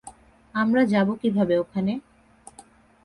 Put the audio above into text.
আমরা যাবো কীভাবে ওখানে?